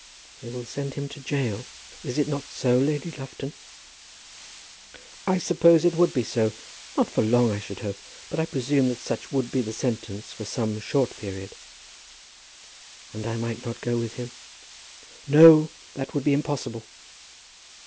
"They will send him to gaol. Is it not so, Lady Lufton?" "I suppose it would be so; not for long I should hope; but I presume that such would be the sentence for some short period." "And I might not go with him?" "No; that would be impossible."